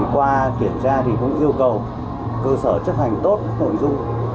qua kiểm tra thì cũng yêu cầu cơ sở chấp hành tốt nội dung